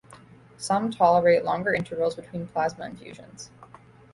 Some tolerate longer intervals between plasma infusions.